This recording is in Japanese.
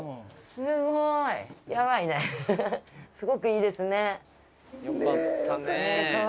すごくいいですね！